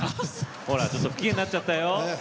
ほら不機嫌になっちゃったよ。